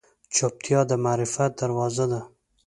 چوپتیا، د معرفت دروازه ده.